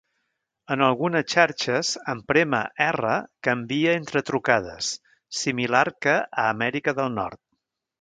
En algunes xarxes, en prémer R canvia entre trucades, similar que a Amèrica del Nord.